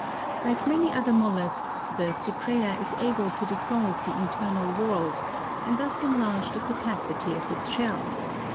Like many other mollusks the Cypraea is able to dissolve the internal whorls and thus enlarge the capacity of its shell.